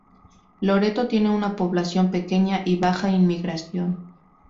Loreto tiene una población pequeña y baja inmigración.